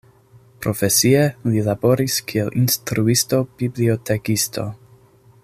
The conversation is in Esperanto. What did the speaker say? Profesie li laboris kiel instruisto-bibliotekisto.